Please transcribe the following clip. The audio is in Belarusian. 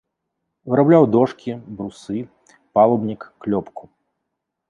Вырабляў дошкі, брусы, палубнік, клёпку.